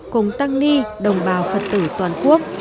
cùng tăng ni đồng bào phật tử toàn quốc